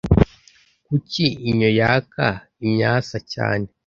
Kuki inyo yaka imyasa cyane?